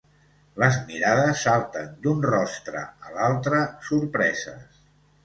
Les mirades salten d'un rostre a l'altre, sorpreses.